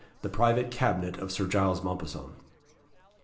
The private Cabinet of Sir Giles Mompesson.